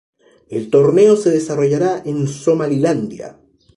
El torneo se desarrollará en Somalilandia.